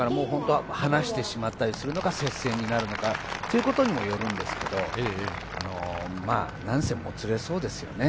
離してしまったりするのか、接戦になるのかということにもよるんですけど、なんせ、もつれそうですよね。